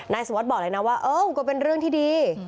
สวัสดิ์บอกเลยนะว่าเออก็เป็นเรื่องที่ดี